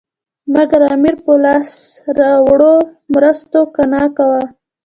مګر امیر په لاسته راوړو مرستو قانع وو.